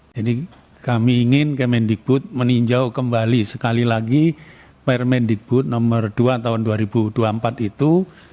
jadi kami ingin kemendikbud meninjau kembali sekali lagi permendikbud nomor dua tahun dua ribu dua puluh empat itu